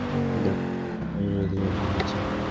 না, তোমার প্রেম মিথ্যাবাদী বানিয়ে দিয়েছে।